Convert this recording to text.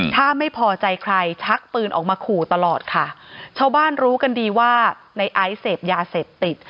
ถ้าไม่พอใจใครชักปืนออกมาขู่ตลอดค่ะชาวบ้านรู้กันดีว่าในไอซ์เสพยาเสพติด